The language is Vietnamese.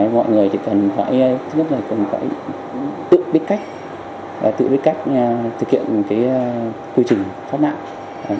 mọi người cần phải tự biết cách tự biết cách thực hiện quy trình thoát nạn